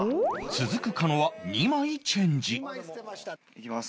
続く狩野は２枚チェンジいきます。